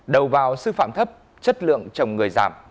đầu vào sư phạm thấp chất lượng trồng người giảm